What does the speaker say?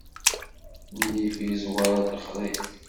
Nnif izwar lexṛif.